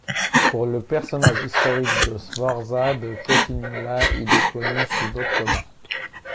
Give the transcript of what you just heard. Pour le personnage historique de Sforza de Cotignola, il est connu sous d'autres noms.